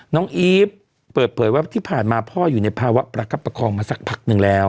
อีฟเปิดเผยว่าที่ผ่านมาพ่ออยู่ในภาวะประคับประคองมาสักพักหนึ่งแล้ว